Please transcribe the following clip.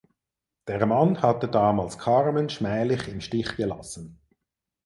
Der Mann hatte damals Carmen schmählich im Stich gelassen.